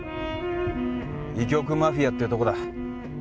医局マフィアってとこだ